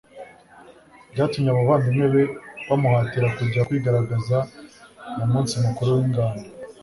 byatumye abavandimwe be bamuhatira kujya kwigaragaza mu munsi mukuru w'ingando.